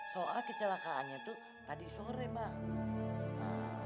soal kecelakaannya tuh tadi sore mbak